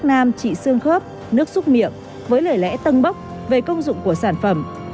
thuốc nam trị xương khớp nước xúc miệng với lời lẽ tân bốc về công dụng của sản phẩm